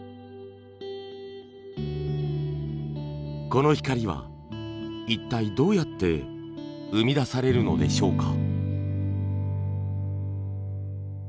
この光は一体どうやって生み出されるのでしょうか？